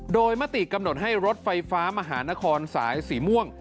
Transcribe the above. โดยมติกำหนดให้รถไฟฟ้ามหานครสายสีม่วง